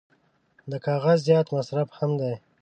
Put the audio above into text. د کاغذ زیات مصرف هم دی.